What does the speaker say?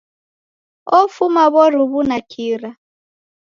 Ofuma w'oruw'u na kira.